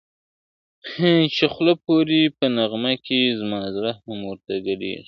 چی خوله پوری په نغمه کی زما زړه هم ورته گډېږی ..